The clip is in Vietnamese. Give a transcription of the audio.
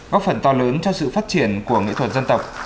góp phần to lớn cho sự phát triển của nghệ thuật dân tộc